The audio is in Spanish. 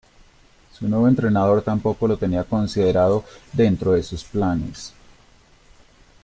Su nuevo entrenador tampoco lo tenía considerado dentro de sus planes.